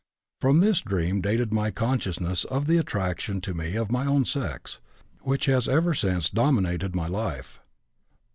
From this dream dated my consciousness of the attraction to me of my own sex, which has ever since dominated my life.